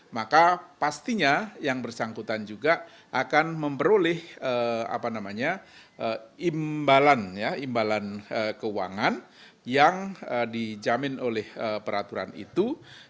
maka pastinya yang bersangkutan juga akan memperoleh imbalan keuangan yang dijamin oleh peraturan itu